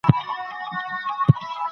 د دغې وني سیوری په غرمې کي ډېر یخ وي.